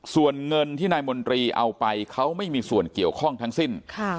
ส่วนเงินที่นายมนตรีเอาไปเขาไม่มีส่วนเกี่ยวข้องทั้งสิ้น